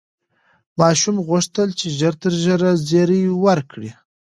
ماشوم غوښتل چې ژر تر ژره زېری ورکړي.